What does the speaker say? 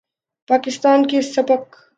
پاکستان کے سابق